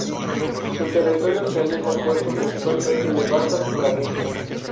Su territorio se haya compuesto principalmente de vastas planicies.